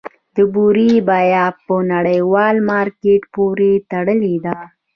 د بورې بیه په نړیوال مارکیټ پورې تړلې ده؟